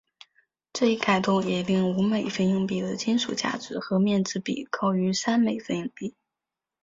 这一改动也令五美分硬币的金属价值和面值比高于三美分硬币。